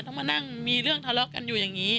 ต้องมานั่งมีเรื่องทะเลาะกันอยู่อย่างนี้